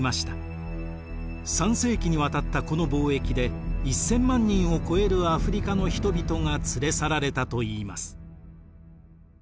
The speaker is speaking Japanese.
３世紀にわたったこの貿易で１，０００万人を超えるアフリカの人々が連れ去られたといいます。